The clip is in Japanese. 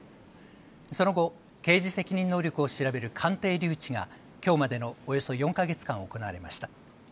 その後、刑事責任能力を調べる鑑定留置がきょうまでのおよそ４か月間、行われました。